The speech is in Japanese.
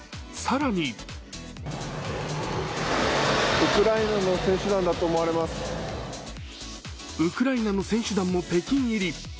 さらにウクライナの選手団も北京入り。